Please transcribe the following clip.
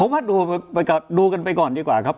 มาดูกันไปก่อนดีกว่าครับ